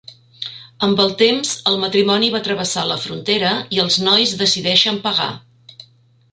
Amb el temps, el matrimoni va travessar la frontera i els nois decideixen pagar.